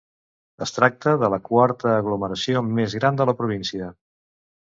Es tracta de la quarta aglomeració més gran de la província.